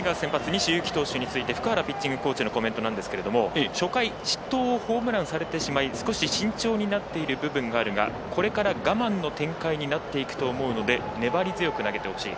西勇輝に対して福原ピッチングコーチのコメントなんですが初回、失投をホームランされてしまい少し慎重になっている部分があるがこれから我慢の展開になっていくと思うので粘り強く投げてほしい。